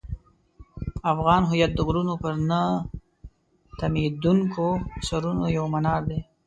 افغان هویت د غرونو پر نه تمېدونکو سرونو یو منار دی.